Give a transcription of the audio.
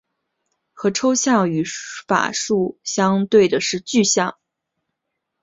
和抽象语法树相对的是具体语法树。